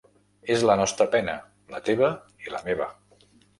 És la nostra pena: la teva i la meva.